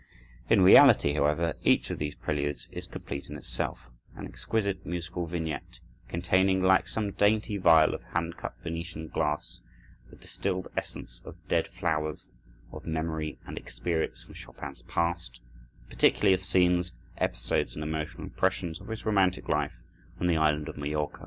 In reality, however, each of these preludes is complete in itself; an exquisite musical vignette containing, like some dainty vial of hand cut Venetian glass, the distilled essence of dead flowers of memory and experience from Chopin's past; particularly of scenes, episodes, and emotional impressions of his romantic life on the island of Majorca.